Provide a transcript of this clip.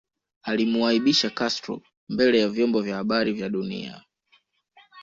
Alimuaibisha Castro mbele ya vyombo vya habari vya dunia